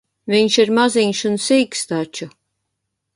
Viņš ir maziņš un sīks taču.